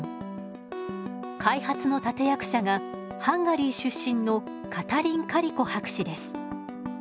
開発の立て役者がハンガリー出身のカタリン・カリコ博士です。